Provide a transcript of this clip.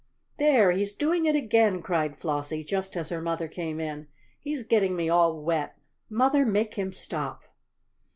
"There, he's doing it again!" cried Flossie, just as her mother came in. "He's getting me all wet! Mother, make him stop!"